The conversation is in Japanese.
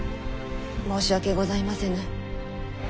申し訳ございませぬ。